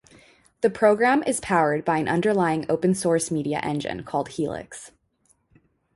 The program is powered by an underlying open-source media engine called Helix.